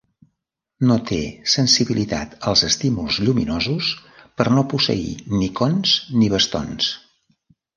No té sensibilitat als estímuls lluminosos per no posseir ni cons ni bastons.